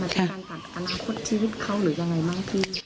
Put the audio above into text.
ใช่ไหมครับมันเป็นการตัดอนาคตชีวิตเขาหรือยังไงบ้างพี่